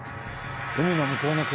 海の向こうの国